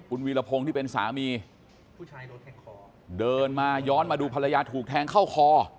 คุณวีรพงศ์ที่เป็นสามีเดินมาย้อนมาดูภรรยาถูกแทงเข้าคอ